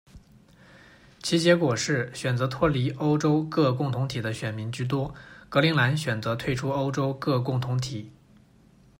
其结果是选择脱离欧洲各共同体的选民居多，格陵兰选择退出欧洲各共同体。